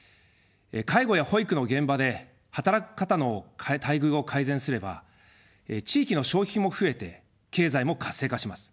介護や保育の現場で働く方の待遇を改善すれば地域の消費も増えて経済も活性化します。